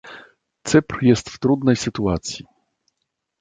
Cypr jest w trudnej sytuacji.